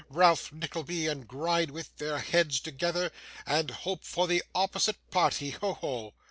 Ralph Nickleby and Gride with their heads together! And hope for the opposite party! Ho! ho!